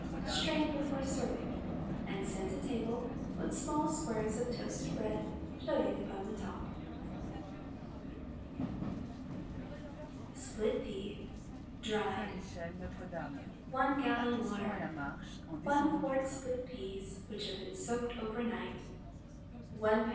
Strain before serving, and send to table with small squares of toasted bread floating upon the top. SPLIT PEA (dried). ✠ 1 gallon water. 1 qt. split peas, which have been soaked over night. 1 lb.